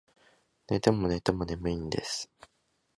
寝ても寝ても眠いんです